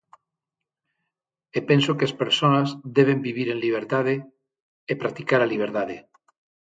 E penso que as persoas deben vivir en liberdade e practicar a liberdade.